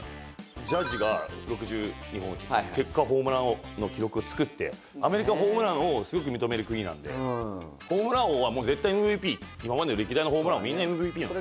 ジャッジが６２本結果ホームラン王の記録を作ってアメリカ、ホームランをすごく認める国なので、ホームラン王は絶対ＭＶＰ、今までの歴代のホームラン王もみんなＭＶＰなんです。